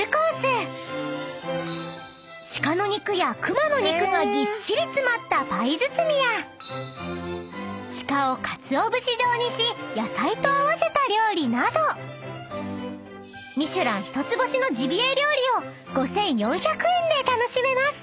［鹿の肉や熊の肉がぎっしり詰まったパイ包みや鹿をかつお節状にし野菜と合わせた料理などミシュラン１つ星のジビエ料理を５，４００円で楽しめます］